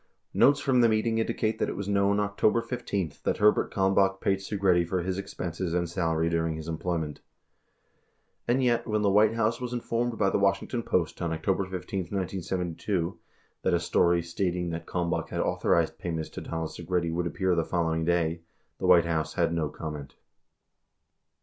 Notes from the meeting indicate that it was known October 15 that Herbert Kalmbacli paid Segretti for his expenses and salary during his employment, 95 And yet when the White House was informed by the Washington Post on October 15, 1972, that a story stating that Kalmbaeh had authorized payments to Donald Segritti would appear the following day, the White House had no comment.